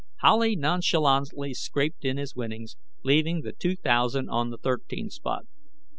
Howley nonchalantly scraped in his winnings, leaving the two thousand on the thirteen spot.